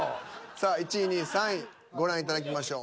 さあ１位２位３位ご覧いただきましょう。